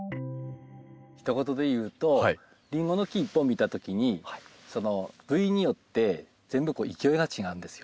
ひと言で言うとリンゴの木１本見たときに部位によって全部勢いが違うんですよ。